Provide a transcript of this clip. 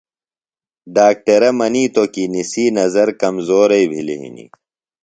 ڈاکٹرہ منیتوۡ کی نِسی نظر کمزوئی بِھلیۡ ہِنیۡ۔